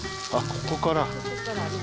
ここからね。